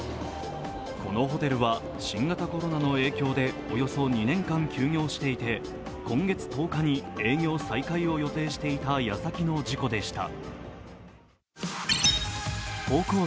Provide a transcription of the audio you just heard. このホテルは新型コロナの影響でおよそ２年間休業していて今月１０日に営業再開を予定していた矢先の事故でした。